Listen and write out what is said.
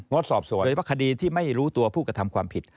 หรือว่าคดีที่ไม่รู้ตัวผู้กระทำความผิด